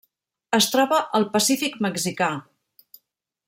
Es troba al Pacífic mexicà.